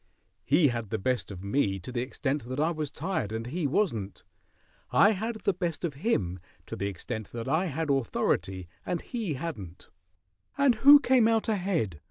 He had the best of me to the extent that I was tired and he wasn't. I had the best of him to the extent that I had authority and he hadn't " "And who came out ahead?"